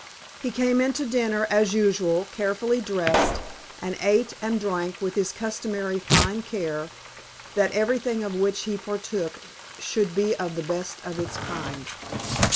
He came in to dinner as usual, carefully dressed, and ate and drank with his customary fine care that everything of which he partook should be of the best of its kind.